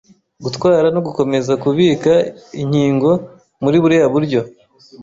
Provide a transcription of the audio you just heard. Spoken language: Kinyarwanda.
Gutwara no gukomeza kubika inkingo muri buriya buryo